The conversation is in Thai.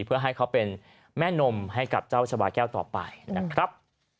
เพื่อให้เขาเป็นแม่นมให้กับเจ้าชาบาแก้วต่อไปนะครับ